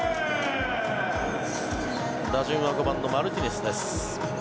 打順は５番のマルティネスです。